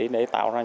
để tạo ra những